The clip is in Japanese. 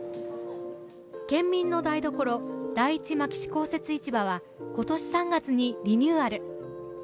県民の台所、第一牧志公設市場は今年３月にリニューアル。